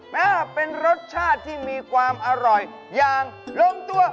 แม่เป็นรสชาติที่มีความอร่อยอย่างลงตัว